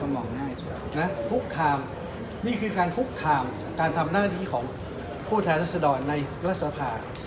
ฮุกคามนี่คือการฮุกคามการทำหน้าที่ของผู้ทัศน์ดอนในรัฐสภา